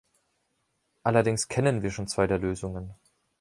Allerdings kennen wir schon zwei der Lösungen.